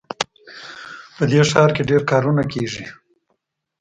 په دې ښار کې ډېر کارونه کیږي